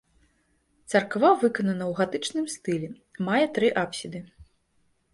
Царква выканана ў гатычным стылі, мае тры апсіды.